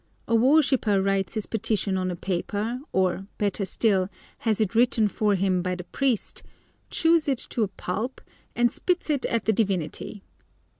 A worshipper writes his petition on paper, or, better still, has it written for him by the priest, chews it to a pulp, and spits it at the divinity.